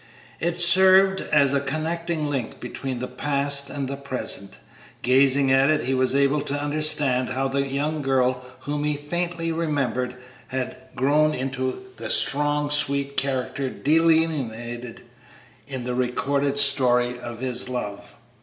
It served as a connecting link between the past and present. Gazing at it he was able to understand how the young girl whom he faintly remembered had grown into the strong, sweet character delineated in the recorded story of his love.